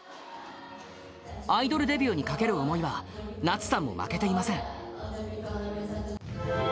アイドルデビューにかける思いは、なつさんも負けていません。